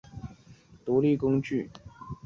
还有各种更复杂的独立工具。